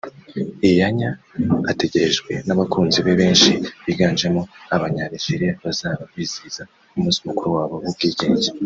Iyanya ategerejwe n'abakunzi be benshi biganjemo abanya-Nigeria bazaba bizihiza umunsi mukuru wabo w'ubwigenge